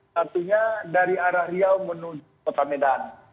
riau artinya dari arah riau menuju kota medan